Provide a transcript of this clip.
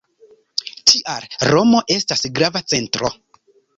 Tial, Romo estas grava centro.